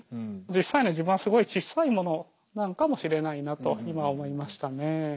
実際の自分はすごいちっさいものなのかもしれないなと今思いましたね。